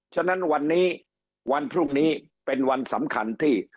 ฉะนั้นวันนี้วันพรุ่งนี้เป็นวันสำคัญที่